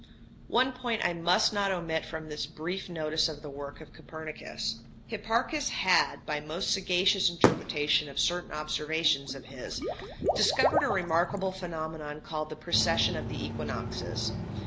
One point I must not omit from this brief notice of the work of Copernicus. Hipparchus had, by most sagacious interpretation of certain observations of his, discovered a remarkable phenomenon called the precession of the equinoxes.